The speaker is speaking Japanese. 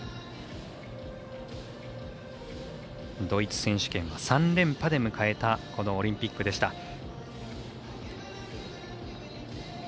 ドイツ選手権は３連覇で迎えたこのオリンピックでした。